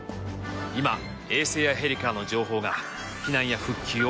今衛星やヘリからの情報が避難や復旧を支えています。